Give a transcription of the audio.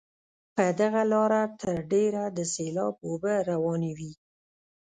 په دغه لاره تر ډېره د سیلاب اوبه روانې وي.